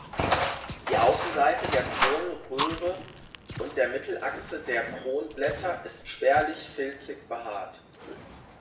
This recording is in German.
Die Außenseite der Kronröhre und der Mittelachse der Kronblätter ist spärlich filzig behaart.